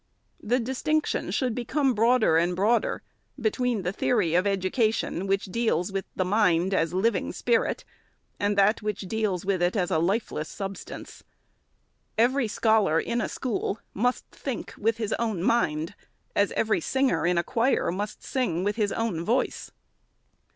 The distinction should bcome broader and broader, between the theory of education which deals with mind as living spirit, and that which deals with it as a lifeless substance. Every scholar, in a school, must think with his own mind, as every singer, in a choir, must sing with his own voice.